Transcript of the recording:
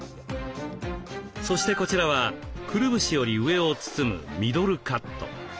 そしてこちらはくるぶしより上を包むミドルカット。